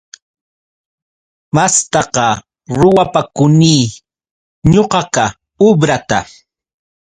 Mastaqa ruwapakuni ñuqaqa ubrata.